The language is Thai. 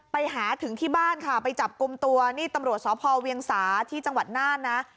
ไปหาถึงที่บ้านค่ะไปจับกลุ่มตัวนี่ตำรวจสพเวียงสาที่จังหวัดน่านนะ